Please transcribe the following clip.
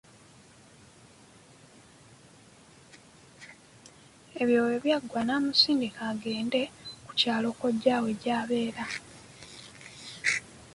Ebyo webyaggwa n'amusindika agende ku kyalo kojja we gy'abeera.